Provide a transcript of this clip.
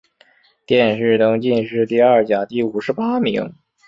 殿试登进士第二甲第五十八名。